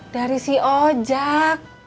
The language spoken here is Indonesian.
dari si ojak